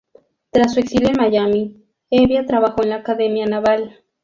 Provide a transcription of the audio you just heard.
Tras su exilio en Miami, Hevia trabajó en la Academia Naval.